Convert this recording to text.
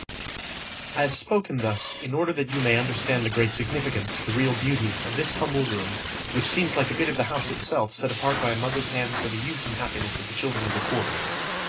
I have spoken thus in order that you may understand the great significance, the real beauty, of this humble room, which seems like a bit of the house itself set apart by a mother's hand for the use and happiness of the children of the Quarter.